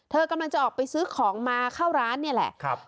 เธอกำลังจะออกไปซื้อของมาเข้าร้านนี่แหละ